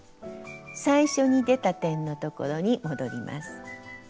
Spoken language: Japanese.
最初に出た点のところに戻ります。